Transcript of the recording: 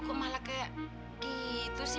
kemala kaya gitu sih